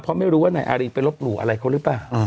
เพราะไม่รู้ว่านายอารินไปลบหลู่อะไรเขาหรือเปล่า